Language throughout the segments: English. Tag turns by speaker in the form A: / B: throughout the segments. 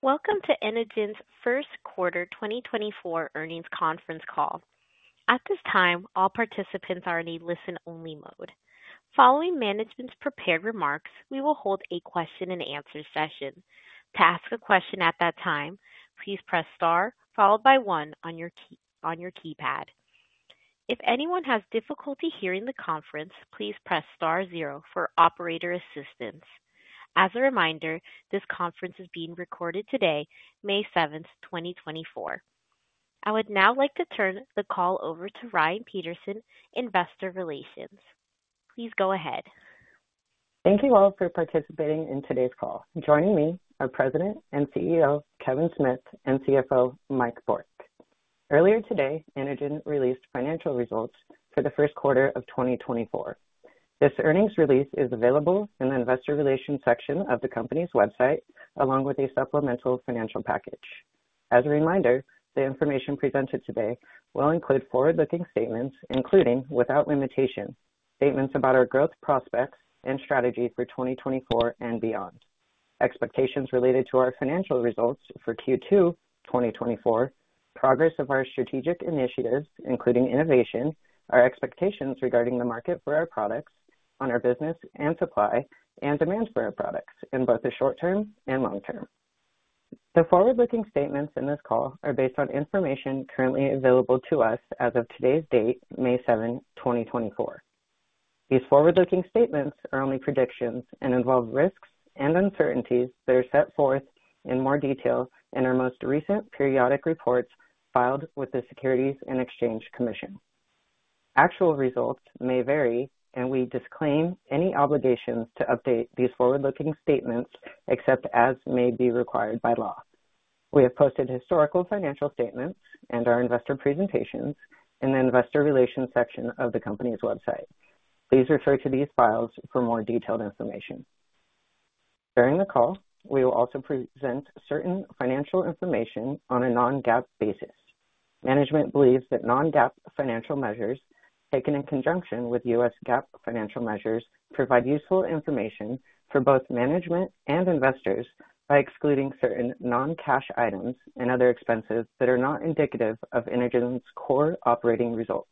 A: Welcome to Inogen's first quarter 2024 earnings conference call. At this time, all participants are in a listen-only mode. Following management's prepared remarks, we will hold a question-and-answer session. To ask a question at that time, please press star followed by one on your key, on your keypad. If anyone has difficulty hearing the conference, please press star 0 for operator assistance. As a reminder, this conference is being recorded today, May 7th 2024. I would now like to turn the call over to Ryan Peterson, Investor Relations. Please go ahead.
B: Thank you all for participating in today's call. Joining me are President and CEO, Kevin Smith, and CFO, Mike Bourque. Earlier today, Inogen released financial results for the first quarter of 2024. This earnings release is available in the investor relations section of the company's website, along with a supplemental financial package. As a reminder, the information presented today will include forward-looking statements, including, without limitation, statements about our growth prospects and strategy for 2024 and beyond, expectations related to our financial results for Q2 2024, progress of our strategic initiatives, including innovation, our expectations regarding the market for our products on our business and supply, and demand for our products in both the short term and long term. The forward-looking statements in this call are based on information currently available to us as of today's date, May 7th 2024. These forward-looking statements are only predictions and involve risks and uncertainties that are set forth in more detail in our most recent periodic reports filed with the Securities and Exchange Commission. Actual results may vary, and we disclaim any obligations to update these forward-looking statements except as may be required by law. We have posted historical financial statements and our investor presentations in the investor relations section of the company's website. Please refer to these files for more detailed information. During the call, we will also present certain financial information on a non-GAAP basis. Management believes that non-GAAP financial measures, taken in conjunction with US GAAP financial measures, provide useful information for both management and investors by excluding certain non-cash items and other expenses that are not indicative of Inogen's core operating results.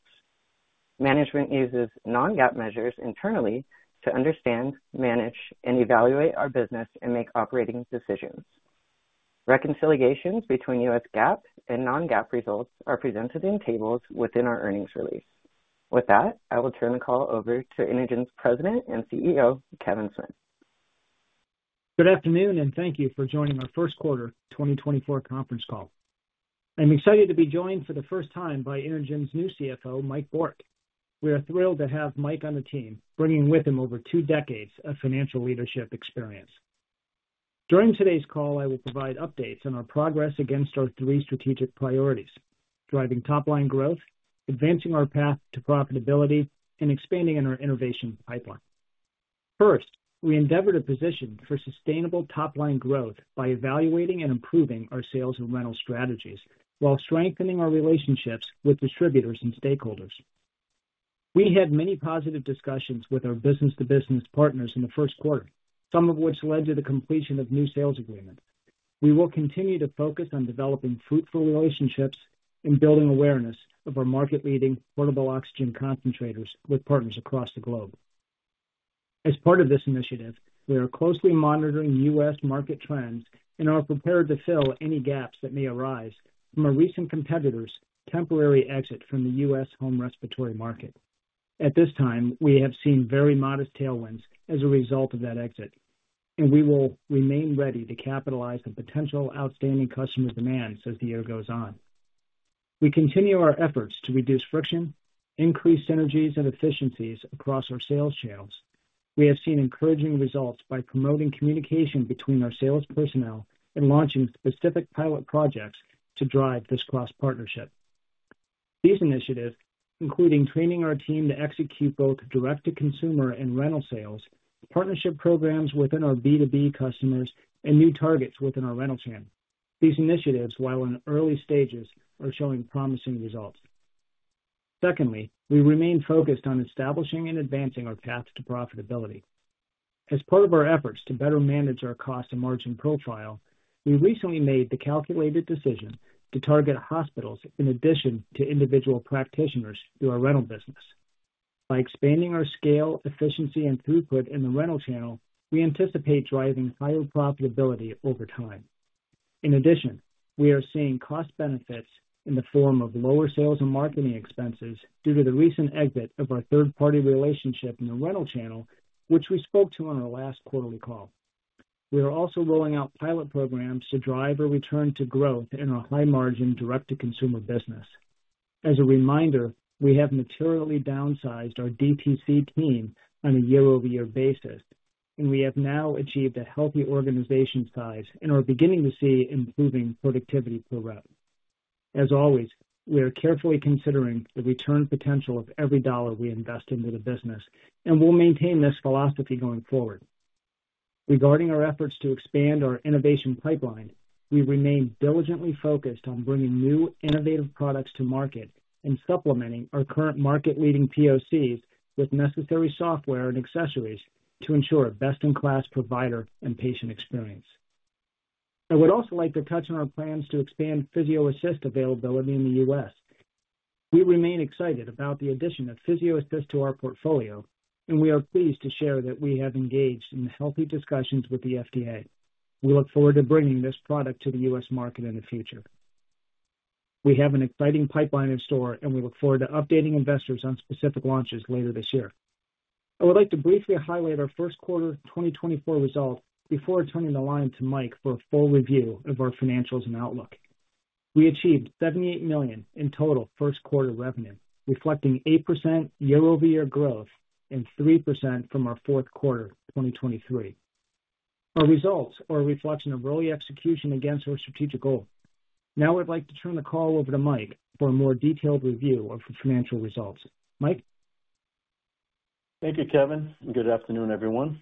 B: Management uses non-GAAP measures internally to understand, manage, and evaluate our business and make operating decisions. Reconciliations between U.S. GAAP and non-GAAP results are presented in tables within our earnings release. With that, I will turn the call over to Inogen's President and CEO, Kevin Smith.
C: Good afternoon, and thank you for joining our first quarter 2024 conference call. I'm excited to be joined for the first time by Inogen's new CFO, Mike Bourque. We are thrilled to have Mike on the team, bringing with him over two decades of financial leadership experience. During today's call, I will provide updates on our progress against our three strategic priorities: driving top line growth, advancing our path to profitability, and expanding in our innovation pipeline. First, we endeavored a position for sustainable top line growth by evaluating and improving our sales and rental strategies while strengthening our relationships with distributors and stakeholders. We had many positive discussions with our business-to-business partners in the first quarter, some of which led to the completion of new sales agreements. We will continue to focus on developing fruitful relationships and building awareness of our market-leading portable oxygen concentrators with partners across the globe. As part of this initiative, we are closely monitoring U.S. market trends and are prepared to fill any gaps that may arise from a recent competitor's temporary exit from the U.S. home respiratory market. At this time, we have seen very modest tailwinds as a result of that exit, and we will remain ready to capitalize the potential outstanding customer demand as the year goes on. We continue our efforts to reduce friction, increase synergies and efficiencies across our sales channels. We have seen encouraging results by promoting communication between our sales personnel and launching specific pilot projects to drive this cross-partnership. These initiatives, including training our team to execute both direct-to-consumer and rental sales, partnership programs within our B2B customers, and new targets within our rental chain. These initiatives, while in early stages, are showing promising results. Secondly, we remain focused on establishing and advancing our path to profitability. As part of our efforts to better manage our cost and margin profile, we recently made the calculated decision to target hospitals in addition to individual practitioners through our rental business. By expanding our scale, efficiency, and throughput in the rental channel, we anticipate driving higher profitability over time. In addition, we are seeing cost benefits in the form of lower sales and marketing expenses due to the recent exit of our third-party relationship in the rental channel, which we spoke to on our last quarterly call. We are also rolling out pilot programs to drive a return to growth in our high-margin, direct-to-consumer business. As a reminder, we have materially downsized our DTC team on a year-over-year basis, and we have now achieved a healthy organization size and are beginning to see improving productivity per rep. As always, we are carefully considering the return potential of every dollar we invest into the business and will maintain this philosophy going forward. Regarding our efforts to expand our innovation pipeline, we remain diligently focused on bringing new innovative products to market and supplementing our current market-leading POCs with necessary software and accessories to ensure a best-in-class provider and patient experience.... I would also like to touch on our plans to expand Physio-Assist availability in the U.S. We remain excited about the addition of Physio-Assist to our portfolio, and we are pleased to share that we have engaged in healthy discussions with the FDA. We look forward to bringing this product to the U.S. market in the future. We have an exciting pipeline in store, and we look forward to updating investors on specific launches later this year. I would like to briefly highlight our first quarter 2024 results before turning the line to Mike for a full review of our financials and outlook. We achieved $78 million in total first quarter revenue, reflecting 8% year-over-year growth and 3% from our fourth quarter 2023. Our results are a reflection of early execution against our strategic goal. Now I'd like to turn the call over to Mike for a more detailed review of the financial results. Mike?
D: Thank you, Kevin, and good afternoon, everyone.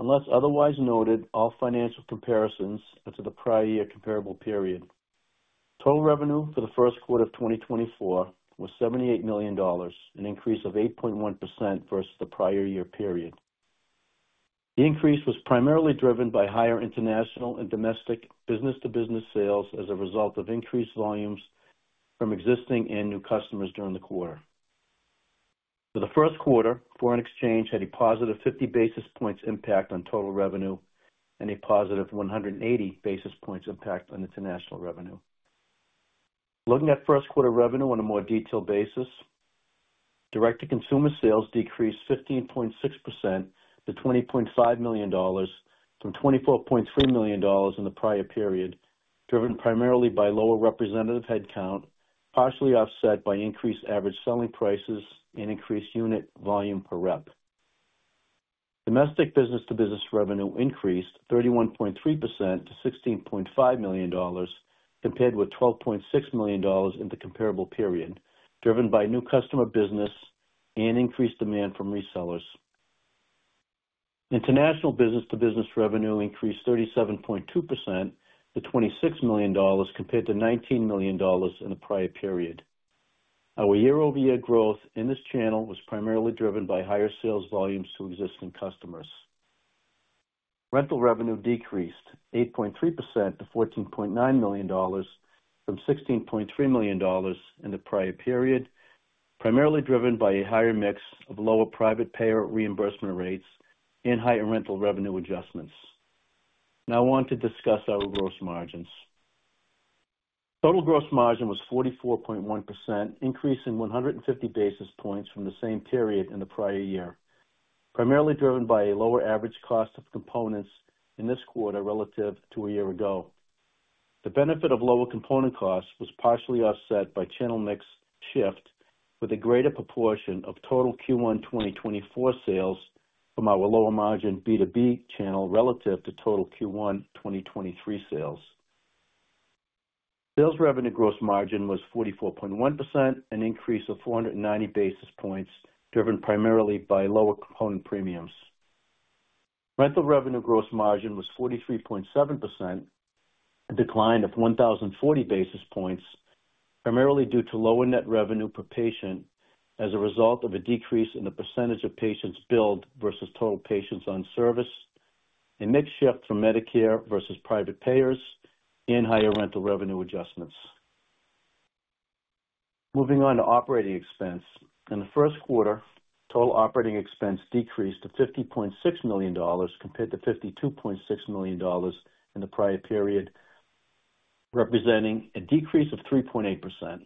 D: Unless otherwise noted, all financial comparisons are to the prior year comparable period. Total revenue for the first quarter of 2024 was $78 million, an increase of 8.1% versus the prior year period. The increase was primarily driven by higher international and domestic business-to-business sales as a result of increased volumes from existing and new customers during the quarter. For the first quarter, foreign exchange had a positive 50 basis points impact on total revenue and a positive 180 basis points impact on international revenue. Looking at first quarter revenue on a more detailed basis, direct-to-consumer sales decreased 15.6% to $20.5 million from $24.3 million in the prior period, driven primarily by lower representative headcount, partially offset by increased average selling prices and increased unit volume per rep. Domestic business-to-business revenue increased 31.3% to $16.5 million, compared with $12.6 million in the comparable period, driven by new customer business and increased demand from resellers. International business-to-business revenue increased 37.2% to $26 million, compared to $19 million in the prior period. Our year-over-year growth in this channel was primarily driven by higher sales volumes to existing customers. Rental revenue decreased 8.3% to $14.9 million from $16.3 million in the prior period, primarily driven by a higher mix of lower private payer reimbursement rates and higher rental revenue adjustments. Now I want to discuss our gross margins. Total gross margin was 44.1%, increasing 150 basis points from the same period in the prior year, primarily driven by a lower average cost of components in this quarter relative to a year ago. The benefit of lower component costs was partially offset by channel mix shift, with a greater proportion of total Q1 2024 sales from our lower margin B2B channel relative to total Q1 2023 sales. Sales revenue gross margin was 44.1%, an increase of 490 basis points, driven primarily by lower component premiums. Rental revenue gross margin was 43.7%, a decline of 1,040 basis points, primarily due to lower net revenue per patient as a result of a decrease in the percentage of patients billed versus total patients on service, a mix shift from Medicare versus private payers, and higher rental revenue adjustments. Moving on to operating expense. In the first quarter, total operating expense decreased to $50.6 million, compared to $52.6 million in the prior period, representing a decrease of 3.8%.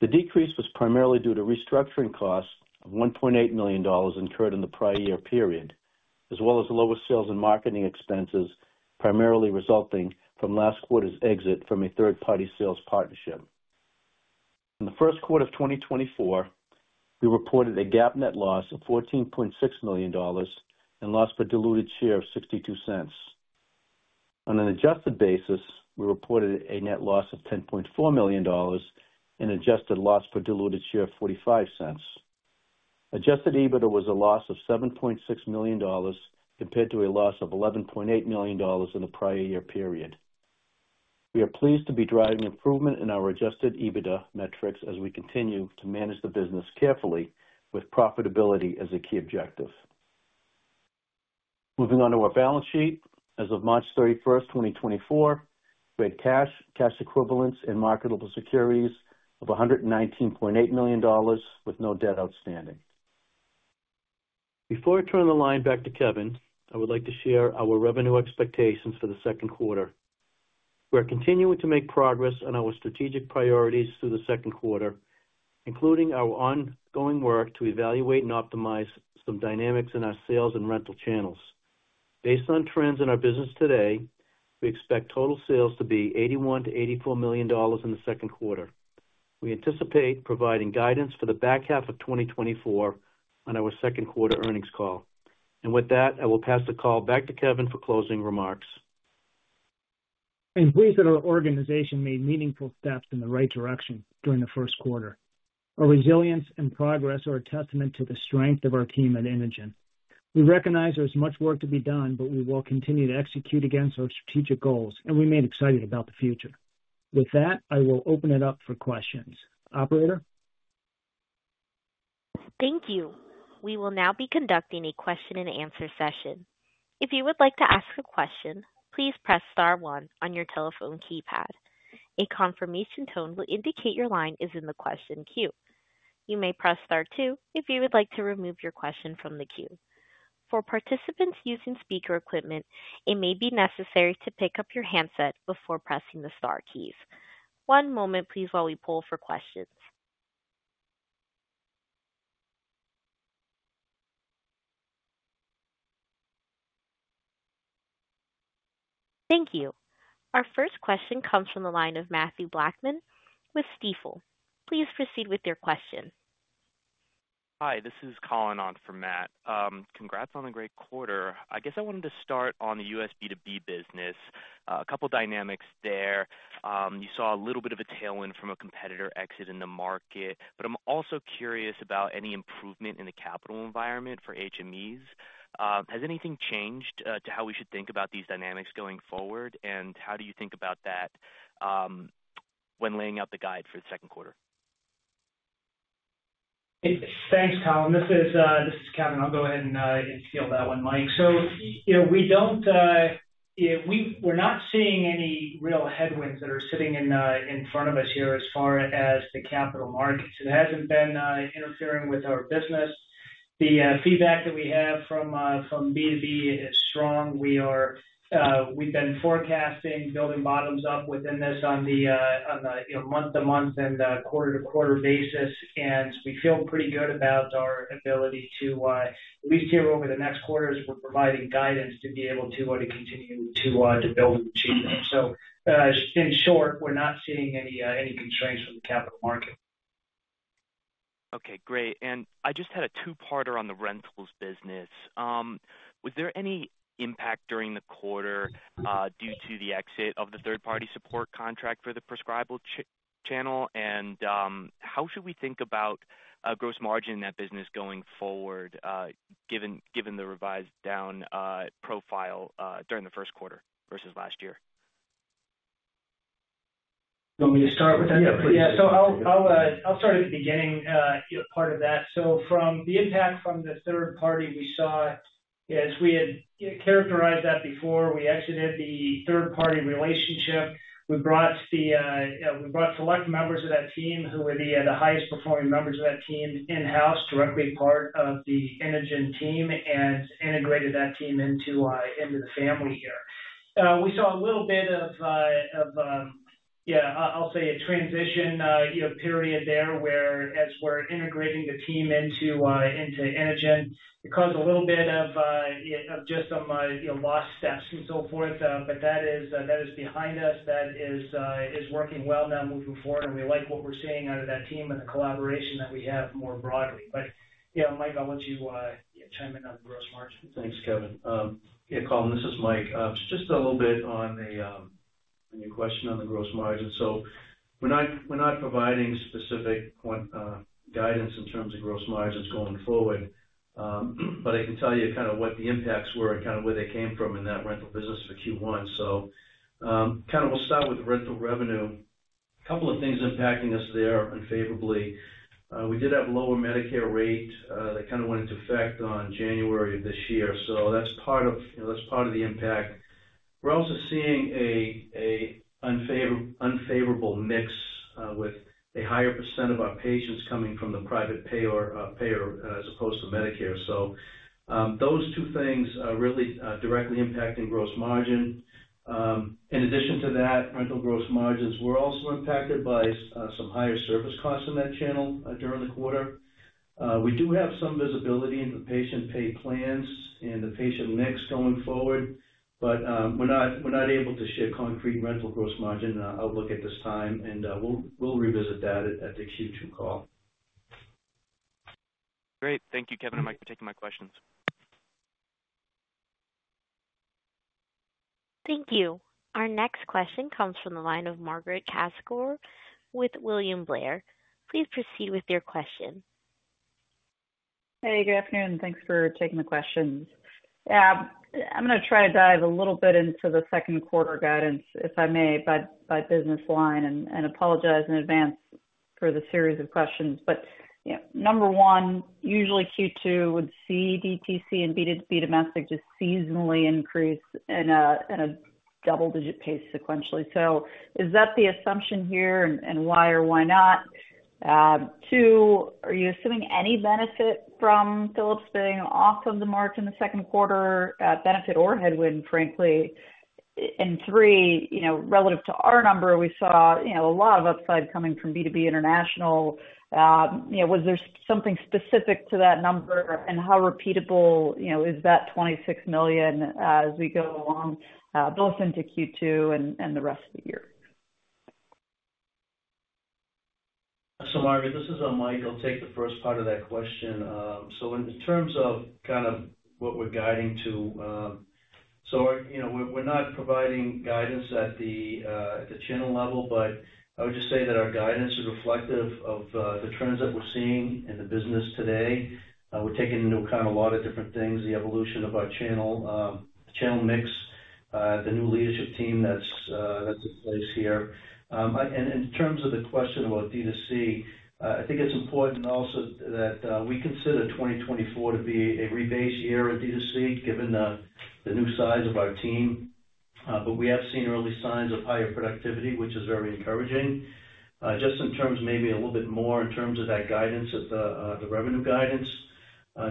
D: The decrease was primarily due to restructuring costs of $1.8 million incurred in the prior year period, as well as lower sales and marketing expenses, primarily resulting from last quarter's exit from a third-party sales partnership. In the first quarter of 2024, we reported a GAAP net loss of $14.6 million and loss per diluted share of $0.62. On an adjusted basis, we reported a net loss of $10.4 million and adjusted loss per diluted share of $0.45. Adjusted EBITDA was a loss of $7.6 million, compared to a loss of $11.8 million in the prior year period. We are pleased to be driving improvement in our adjusted EBITDA metrics as we continue to manage the business carefully with profitability as a key objective. Moving on to our balance sheet. As of March 31st 2024, we had cash, cash equivalents, and marketable securities of $119.8 million, with no debt outstanding. Before I turn the line back to Kevin, I would like to share our revenue expectations for the second quarter. We are continuing to make progress on our strategic priorities through the second quarter, including our ongoing work to evaluate and optimize some dynamics in our sales and rental channels. Based on trends in our business today, we expect total sales to be $81 million-$84 million in the second quarter. We anticipate providing guidance for the back half of 2024 on our second quarter earnings call. With that, I will pass the call back to Kevin for closing remarks.
C: I'm pleased that our organization made meaningful steps in the right direction during the first quarter. Our resilience and progress are a testament to the strength of our team at Inogen. We recognize there is much work to be done, but we will continue to execute against our strategic goals, and remain excited about the future. With that, I will open it up for questions. Operator?...
A: Thank you. We will now be conducting a question-and-answer session. If you would like to ask a question, please press star one on your telephone keypad. A confirmation tone will indicate your line is in the question queue. You may press star two if you would like to remove your question from the queue. For participants using speaker equipment, it may be necessary to pick up your handset before pressing the star keys. One moment, please, while we poll for questions. Thank you. Our first question comes from the line of Matthew Blackman with Stifel. Please proceed with your question.
E: Hi, this is Colin on for Matt. Congrats on a great quarter. I guess I wanted to start on the US B2B business. A couple dynamics there. You saw a little bit of a tailwind from a competitor exit in the market, but I'm also curious about any improvement in the capital environment for HMEs. Has anything changed to how we should think about these dynamics going forward? And how do you think about that when laying out the guide for the second quarter?
C: Thanks, Colin. This is Kevin. I'll go ahead and field that one, Mike. So, you know, we don't, yeah, we're not seeing any real headwinds that are sitting in front of us here as far as the capital markets. It hasn't been interfering with our business. The feedback that we have from B2B is strong. We are, we've been forecasting, building bottoms up within this on the, you know, month-to-month and quarter-to-quarter basis, and we feel pretty good about our ability to, at least here over the next quarter, as we're providing guidance, to be able to, to continue to build and achieve that. So, in short, we're not seeing any constraints from the capital market.
E: Okay, great. I just had a two-parter on the rentals business. Was there any impact during the quarter due to the exit of the third-party support contract for the prescrible channel? And, how should we think about gross margin in that business going forward, given the revised down profile during the first quarter versus last year?
C: You want me to start with that?
D: Yeah, please.
C: Yeah. So I'll start at the beginning, part of that. So from the impact from the third party we saw, as we had characterized that before, we exited the third-party relationship. We brought select members of that team who were the highest performing members of that team in-house, directly part of the Inogen team, and integrated that team into the family here. We saw a little bit of, I'll say, a transition, you know, period there, whereas we're integrating the team into Inogen, it caused a little bit of just some, you know, lost steps and so forth. But that is behind us. That is, is working well now moving forward, and we like what we're seeing out of that team and the collaboration that we have more broadly. But, yeah, Mike, I'll let you, chime in on the gross margin.
D: Thanks, Kevin. Yeah, Colin, this is Mike. Just a little bit on the on your question on the gross margin. So we're not, we're not providing specific guidance in terms of gross margins going forward. But I can tell you kind of what the impacts were and kind of where they came from in that rental business for Q1. So kind of we'll start with the rental revenue. A couple of things impacting us there unfavorably. We did have lower Medicare rate that kind of went into effect on January of this year. So that's part of, you know, that's part of the impact. We're also seeing a unfavorable mix with a higher percent of our patients coming from the private payer payer as opposed to Medicare. So, those two things are really directly impacting gross margin. In addition to that, rental gross margins were also impacted by some higher service costs in that channel during the quarter. We do have some visibility into the patient pay plans and the patient mix going forward, but we're not, we're not able to share concrete rental gross margin outlook at this time, and we'll, we'll revisit that at the Q2 call.
E: Great. Thank you, Kevin and Mike, for taking my questions.
A: Thank you. Our next question comes from the line of Margaret Kaczor with William Blair. Please proceed with your question.
F: Hey, good afternoon, and thanks for taking the questions. I'm gonna try to dive a little bit into the second quarter guidance, if I may, by business line, and apologize in advance for the series of questions. But, you know, number one, usually Q2 would see DTC and B2B domestic just seasonally increase in a double-digit pace sequentially. So is that the assumption here, and why or why not? Two, are you assuming any benefit from Philips being off of the mark in the second quarter, benefit or headwind, frankly? And three, you know, relative to our number, we saw, you know, a lot of upside coming from B2B international. you know, was there something specific to that number, and how repeatable, you know, is that $26 million as we go along, both into Q2 and, and the rest of the year?
D: So, Margaret, this is Mike. I'll take the first part of that question. So in terms of kind of what we're guiding to, so, you know, we're, we're not providing guidance at the channel level, but I would just say that our guidance is reflective of the trends that we're seeing in the business today. We're taking into account a lot of different things, the evolution of our channel, the channel mix, the new leadership team that's in place here. And in terms of the question about DTC, I think it's important also that we consider 2024 to be a rebase year at DTC, given the new size of our team. But we have seen early signs of higher productivity, which is very encouraging. Just in terms, maybe a little bit more in terms of that guidance of the, the revenue guidance,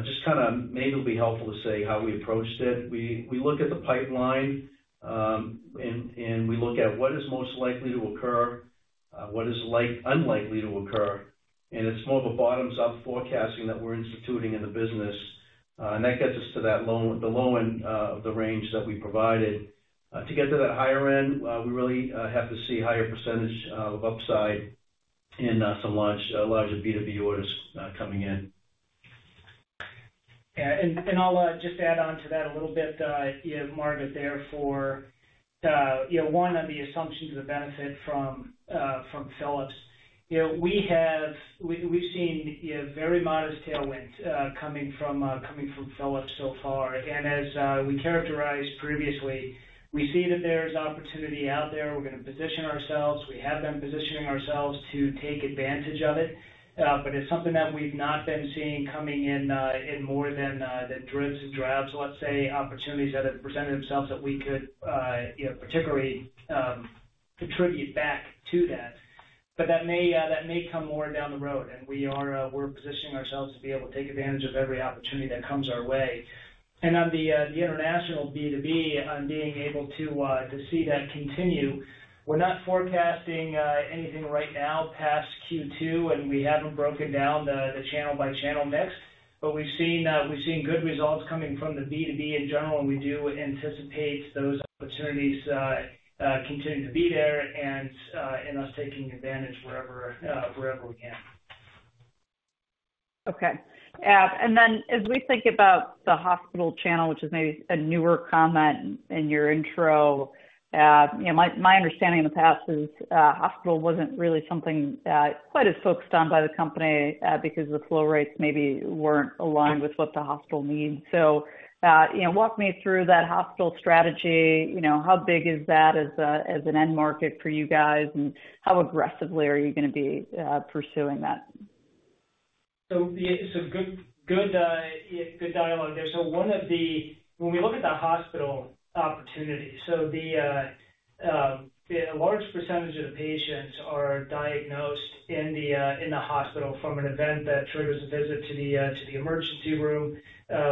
D: just kinda maybe it'll be helpful to say how we approached it. We look at the pipeline, and we look at what is most likely to occur, what is unlikely to occur, and it's more of a bottoms-up forecasting that we're instituting in the business. And that gets us to that low, the low end, of the range that we provided. To get to that higher end, we really have to see higher percentage of upside in some large, larger B2B orders coming in.
C: Yeah, and I'll just add on to that a little bit, you know, Margaret, therefore, you know, one, on the assumptions of the benefit from Philips. You know, we have—we've seen, you know, very modest tailwinds coming from Philips so far. And as we characterized previously, we see that there's opportunity out there. We're gonna position ourselves. We have been positioning ourselves to take advantage of it, but it's something that we've not been seeing coming in in more than the dribs and drabs, let's say, opportunities that have presented themselves that we could, you know, particularly contribute back to that. But that may come more down the road, and we are, we're positioning ourselves to be able to take advantage of every opportunity that comes our way. And on the international B2B, on being able to see that continue, we're not forecasting anything right now past Q2, and we haven't broken down the channel-by-channel mix. But we've seen good results coming from the B2B in general, and we do anticipate those opportunities continuing to be there and us taking advantage wherever we can.
F: Okay. And then as we think about the hospital channel, which is maybe a newer comment in your intro, you know, my, my understanding in the past is, hospital wasn't really something, quite as focused on by the company, because the flow rates maybe weren't aligned with what the hospital needs. So, you know, walk me through that hospital strategy. You know, how big is that as a, as an end market for you guys, and how aggressively are you gonna be, pursuing that?
C: So, yeah, so good, good, yeah, good dialogue there. So one of the... When we look at the hospital opportunity, so the, a large percentage of the patients are diagnosed in the, in the hospital from an event that triggers a visit to the, to the emergency room,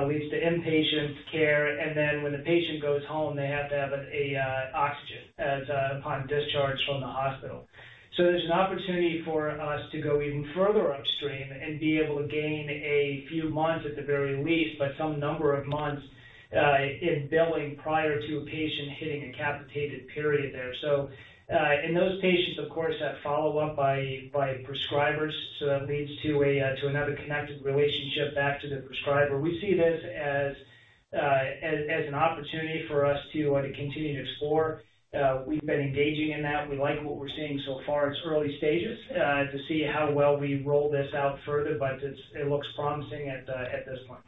C: leads to inpatient care, and then when the patient goes home, they have to have a, oxygen as, upon discharge from the hospital. So there's an opportunity for us to go even further upstream and be able to gain a few months, at the very least, but some number of months, in billing prior to a patient hitting a capitated period there. So, and those patients, of course, have follow-up by, by prescribers, so that leads to a, to another connected relationship back to the prescriber. We see this as an opportunity for us to continue to explore. We've been engaging in that. We like what we're seeing so far. It's early stages to see how well we roll this out further, but it looks promising at this point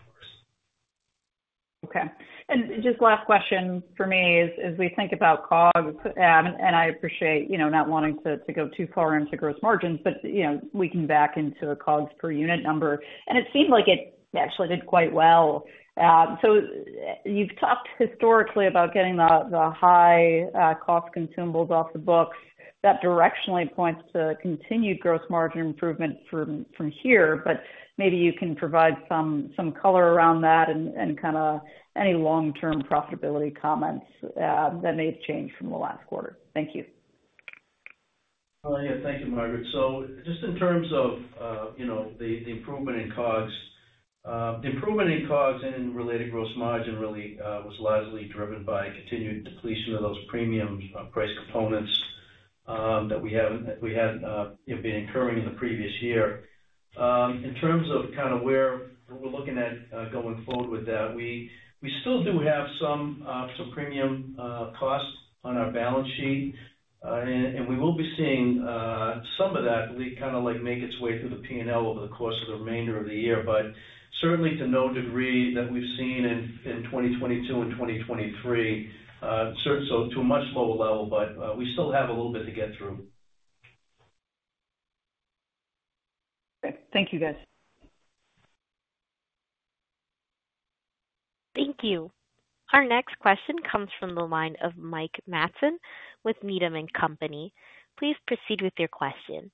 C: for us.
F: Okay. And just last question for me is, as we think about COG, and I appreciate, you know, not wanting to go too far into gross margins, but, you know, we can back into a COGS per unit number, and it seemed like it actually did quite well. So you've talked historically about getting the high cost consumables off the books. That directionally points to continued gross margin improvement from here, but maybe you can provide some color around that and kinda any long-term profitability comments that may have changed from the last quarter. Thank you.
D: Oh, yeah. Thank you, Margaret. So just in terms of, you know, the, the improvement in COGS, the improvement in COGS and in related gross margin really, was largely driven by continued depletion of those premium, price components, that we had, we had, you know, been incurring in the previous year. In terms of kind of where we're looking at, going forward with that, we, we still do have some, some premium, costs on our balance sheet, and, and we will be seeing, some of that really kind of like, make its way through the P&L over the course of the remainder of the year, but certainly to no degree that we've seen in, 2022 and 2023. So to a much lower level, but we still have a little bit to get through.
F: Okay. Thank you, guys.
A: Thank you. Our next question comes from the line of Mike Matson with Needham and Company. Please proceed with your question.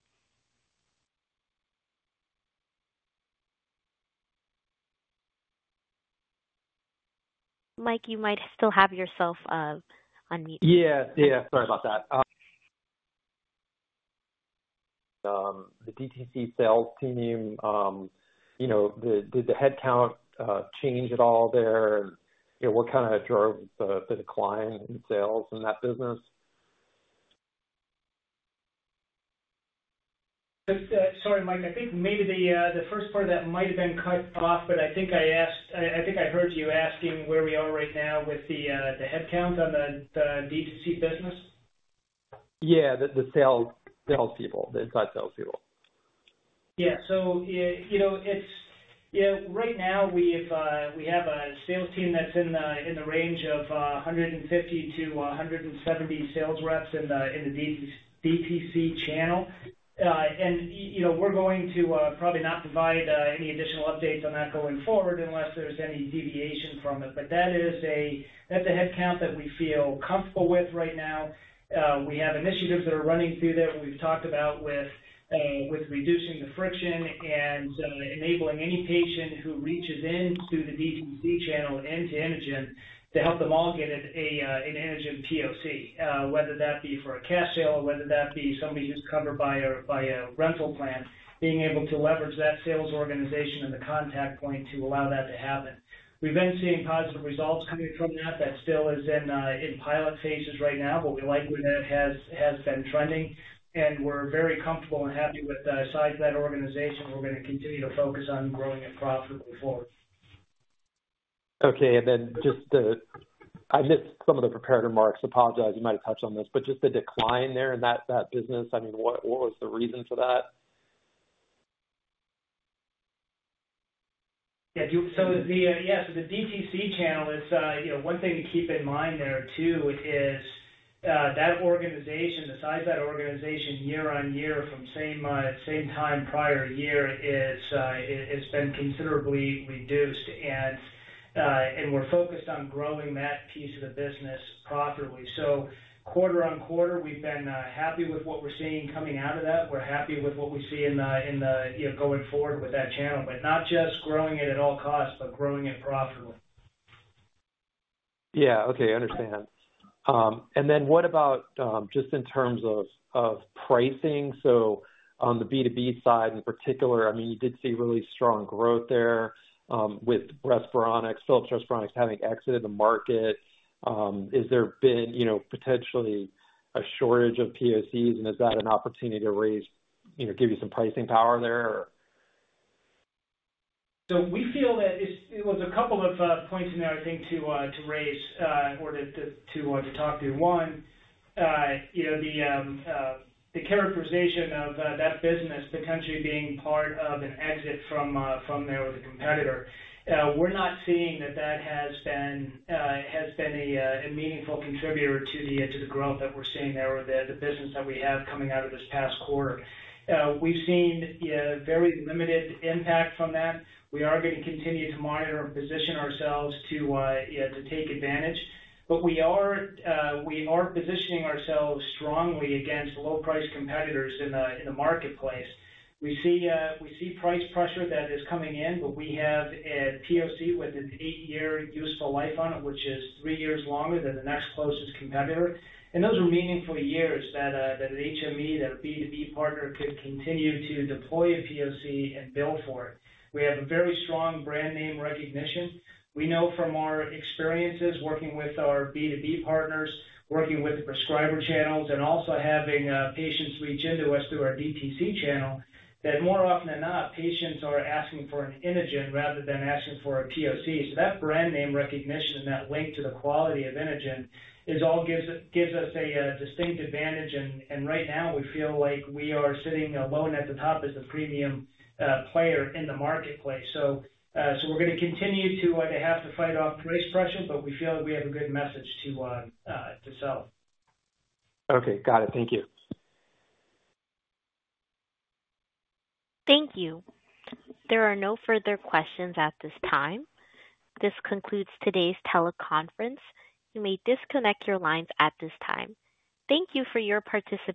A: Mike, you might still have yourself on mute.
G: Yeah. Yeah, sorry about that. The DTC sales team, you know, did the headcount change at all there? And, you know, what kinda drove the decline in sales in that business?
C: Sorry, Mike. I think maybe the first part of that might have been cut off, but I think I asked—I think I heard you asking where we are right now with the headcount on the DTC business.
G: Yeah, the sales people, the inside sales people....
C: Yeah, so, you know, it's, you know, right now, we have a sales team that's in the range of 150-170 sales reps in the DTC channel. And, you know, we're going to probably not provide any additional updates on that going forward unless there's any deviation from it. But that is a, that's a headcount that we feel comfortable with right now. We have initiatives that are running through there that we've talked about with reducing the friction and enabling any patient who reaches in through the DTC channel into Inogen to help them all get an Inogen POC. Whether that be for a cash sale or whether that be somebody who's covered by a rental plan, being able to leverage that sales organization and the contact point to allow that to happen. We've been seeing positive results coming from that. That still is in pilot phases right now, but we like where that has been trending, and we're very comfortable and happy with the size of that organization. We're gonna continue to focus on growing it profitably forward.
G: Okay. And then just the... I missed some of the prepared remarks. Apologize, you might have touched on this, but just the decline there in that, that business, I mean, what, what was the reason for that?
C: Yeah. So the, yeah, so the DTC channel is, you know, one thing to keep in mind there, too, is, that organization, the size of that organization year-over-year from same, same time prior year is, it has been considerably reduced. And, and we're focused on growing that piece of the business profitably. So quarter-over-quarter, we've been, happy with what we're seeing coming out of that. We're happy with what we see in the, you know, going forward with that channel, but not just growing it at all costs, but growing it profitably.
G: Yeah. Okay, I understand. And then what about, just in terms of, of pricing? So on the B2B side, in particular, I mean, you did see really strong growth there, with Philips Respironics having exited the market. Is there been, you know, potentially a shortage of POCs, and is that an opportunity to raise, you know, give you some pricing power there?
C: It was a couple of points in there, I think, to raise or to talk to. One, you know, the characterization of that business, potentially being part of an exit from there with a competitor. We're not seeing that that has been a meaningful contributor to the growth that we're seeing there or the business that we have coming out of this past quarter. We've seen very limited impact from that. We are going to continue to monitor and position ourselves to, you know, to take advantage. But we are positioning ourselves strongly against low-price competitors in the marketplace. We see price pressure that is coming in, but we have a POC with an eight-year useful life on it, which is three years longer than the next closest competitor, and those are meaningful years that an HME, that a B2B partner could continue to deploy a POC and bill for it. We have a very strong brand name recognition. We know from our experiences working with our B2B partners, working with the prescriber channels, and also having patients reach into us through our DTC channel, that more often than not, patients are asking for an Inogen rather than asking for a POC. So that brand name recognition and that link to the quality of Inogen all gives us a distinct advantage. Right now we feel like we are sitting alone at the top as the premium player in the marketplace. So we're gonna continue to have to fight off price pressure, but we feel that we have a good message to sell.
G: Okay, got it. Thank you.
A: Thank you. There are no further questions at this time. This concludes today's teleconference. You may disconnect your lines at this time. Thank you for your participation.